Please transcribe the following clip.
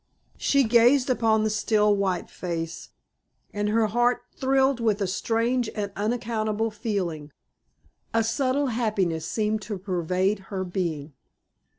She gazed upon the still, white face, and her heart thrilled with a strange and unaccountable feeling; a subtle happiness seemed to pervade her being.